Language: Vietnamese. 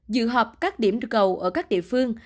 dự họp các điểm cầu ở các địa phương